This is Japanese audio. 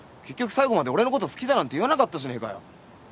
結局最後まで俺のこと好きだなんて言わなかったじゃねえかよ。